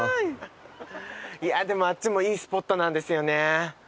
でもあっちもいいスポットなんですよね。